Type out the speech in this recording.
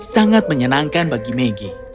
sangat menyenangkan bagi maggie